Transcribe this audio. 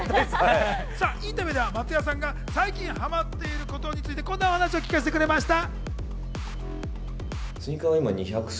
インタビューでは松也さんが最近ハマっていることについて、こんなお話を聞かせてくれました。